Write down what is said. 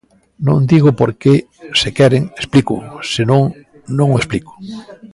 Non, dígoo porque, se queren, explícoo; se non, non o explico.